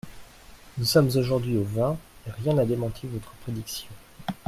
Nous sommes aujourd’hui au vingt, et rien n’a démenti votre prédiction.